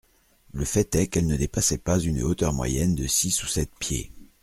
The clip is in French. Le fait est qu'elle ne dépassait pas une hauteur moyenne de six ou sept pieds.